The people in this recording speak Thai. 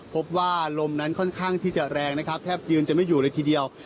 พบว่าลมนั้นค่อนข้างที่จะแรงนะครับแทบยืนจะไม่อยู่เลยทีเดียว